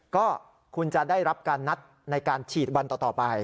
ก็คุณจะได้รับการนัดในการฉีดวันต่อไป